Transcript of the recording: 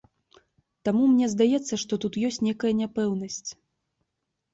Таму мне здаецца, што тут ёсць нейкая няпэўнасць.